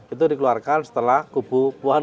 itu dikeluarkan setelah kubu puan